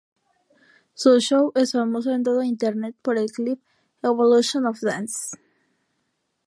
Su show es famoso en todo Internet por el clip "Evolution of Dance".